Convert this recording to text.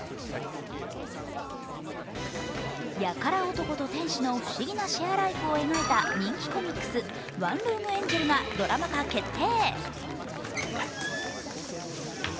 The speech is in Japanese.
ヤカラ男と天使の不思議なシェアライフを描いた人気コミックス、「ワンルームエンジェル」がドラマ化決定。